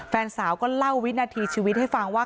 แฟนสาวก็เล่าวินาทีชีวิตให้ฟังว่า